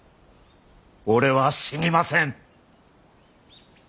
俺は死にません。